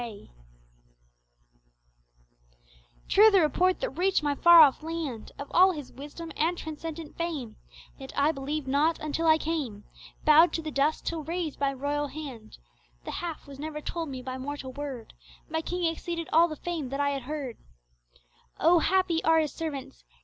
True the report that reached my far off land Of all His wisdom and transcendent fame, Yet I believed not until I came Bowed to the dust till raised by royal hand The half was never told by mortal word, My King exceeded all the fame that I had heard Oh happy are His servants!